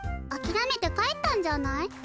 あきらめて帰ったんじゃない？